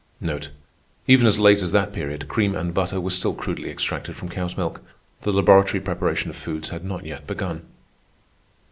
Even as late as that period, cream and butter were still crudely extracted from cow's milk. The laboratory preparation of foods had not yet begun.